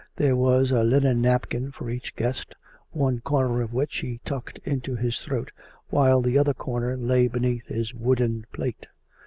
There was a linen napkin for each guest, one corner of which he tucked into his throat, while the other corner lay beneath his wooden plate.